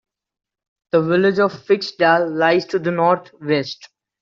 The village of Fiksdal lies to the northwest.